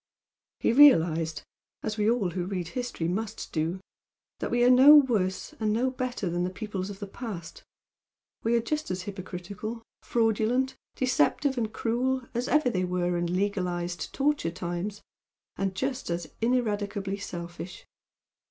He realised, as we all who read history, must do, that we are no worse and no better than the peoples of the past, we are just as hypocritical, fraudulent, deceptive and cruel as ever they were in legalised torture times, and just as ineradicably selfish.